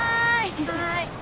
はい！